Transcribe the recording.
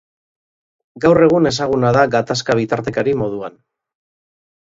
Gaur egun ezaguna da gatazka-bitartekari moduan.